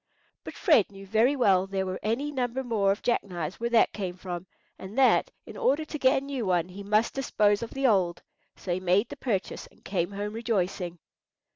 But Fred knew very well there were any number more of jack knives where that came from, and that, in order to get a new one, he must dispose of the old; so he made the purchase and came home rejoicing.